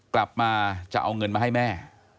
กลับมาจะเอาเงินมาให้แม่